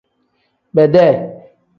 Bedee.